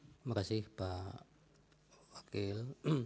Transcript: terima kasih pak wakil